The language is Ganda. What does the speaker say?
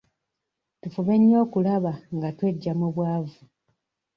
Tufube nnyo okulaba nga tweggya mu bwavu.